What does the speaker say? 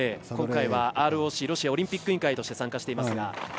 今回はＲＯＣ＝ロシアオリンピック委員会として参加しています。